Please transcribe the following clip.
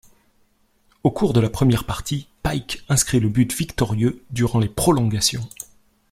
Au cours de la première partie, Pike inscrit le but victorieux durant les prolongations.